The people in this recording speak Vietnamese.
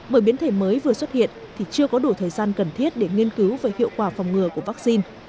bởi biến thể mới vừa xuất hiện thì chưa có đủ thời gian cần thiết để nghiên cứu về hiệu quả phòng ngừa của vaccine